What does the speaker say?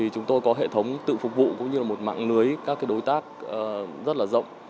chúng tôi có hệ thống tự phục vụ cũng như là một mạng lưới các đối tác rất là rộng